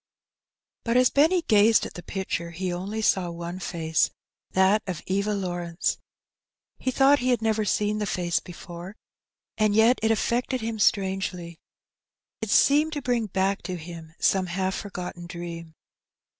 But as Benny gazed at the picture he only saw one face, that of Eva Lawrence. He thought he had never seen the face before, and yet it affected him strangely. It seemed to bring back to him some half forgotten dream.